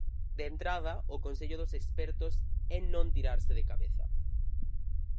De entrada, o consello dos expertos é non tirarse de cabeza.